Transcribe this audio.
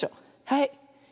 はい。